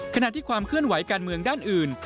ขณะที่ความเคลื่อนไหวการเมืองด้านอื่น